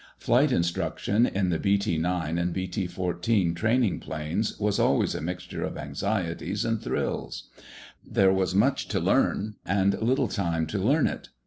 Flight instruction, in the BT 9 and BT 14 training planes, was always a mixture of anxieties and thrills. There was much to learn, and little time to learn it.